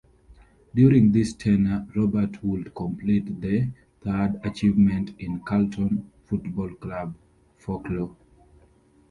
During this tenure Robert would complete the third achievement in Carlton Football Club folklore.